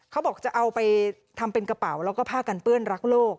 เขาบอกจะเอาไปทำเป็นกระเป๋าแล้วก็ผ้ากันเปื้อนรักโลก